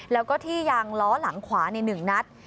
แล้วก็ที่ยางล้อหลังขวาใน๑นัด